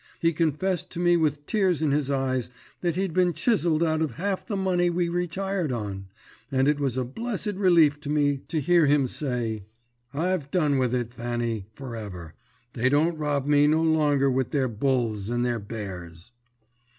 He confessed to me with tears in his eyes that he'd been chizzled out of half the money we retired on, and it was a blessed relief to me to hear him say, "'I've done with it, Fanny, for ever. They don't rob me no longer with their Bulls and their Bears.'